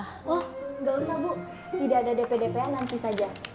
oh gak usah bu tidak ada dp dpa nanti saja